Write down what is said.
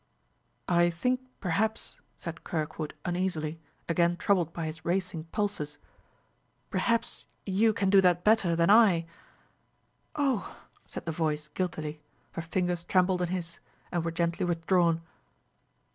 "I think, perhaps," said Kirkwood uneasily, again troubled by his racing pulses, "perhaps you can do that better than I." "Oh!" said the voice guiltily; her fingers trembled on his, and were gently withdrawn.